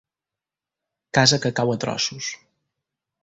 Casa que cau a trossos.